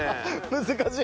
難しい。